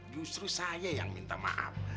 justru saya yang minta maaf